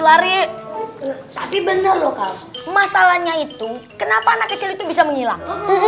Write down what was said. lari tapi bener loh kalau masalahnya itu kenapa anak kecil itu bisa menghilang